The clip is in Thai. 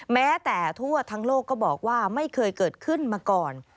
แม้แต่ทั่วทั้งโลกก็บอกว่าไม่เคยเกิดขึ้นมาก่อน